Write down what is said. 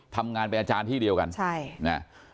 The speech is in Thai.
ทำงานเป็นอาจารย์ที่เดียวกันใช่นะ